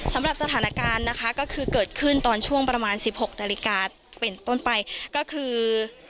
สำหรับสถานการณ์นะคะก็คือเกิดขึ้นตอนช่วงประมาณสิบหกนาฬิกาเป็นต้นไปก็คือ